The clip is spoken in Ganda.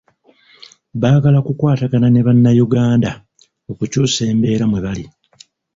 Baagala kukwatagana ne bannayuganda okukyusa embeera mwe bali.